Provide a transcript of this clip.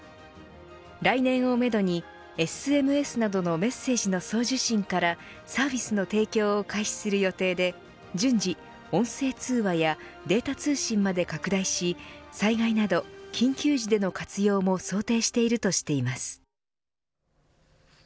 来年をめどにＳＭＳなどのメッセージの送受信からサービスの提供を開始する予定で順次、音声通話やデータ通信まで拡大し災害など、緊急時での活用も想定しているとしています。